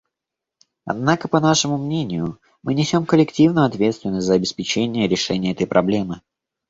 Однако, по нашему мнению, мы несем коллективную ответственность за обеспечение решения этой проблемы.